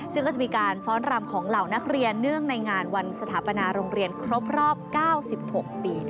ซึ่งก็จะมีการฟ้อนรำของเหล่านักเรียนเนื่องในงานวันสถาปนาโรงเรียนครบรอบ๙๖ปีด้วย